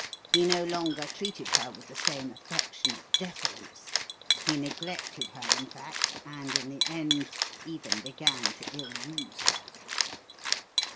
He no longer treated her with the same affectionate deference; he neglected her, in fact, and, in the end, even began to ill use her.